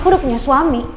aku udah punya suami